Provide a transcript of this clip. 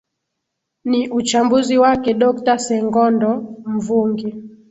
ni uchambuzi wake dokta sengondo mvungi